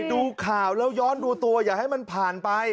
ดูข่าวแล้วย้อนดูตัวอย่าให้มันผ่านไป